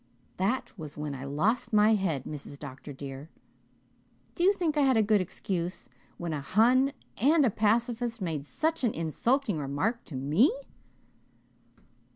That was when I lost my head, Mrs. Dr. dear. Do you think I had a good excuse, when a Hun and a pacifist made such an insulting remark to me?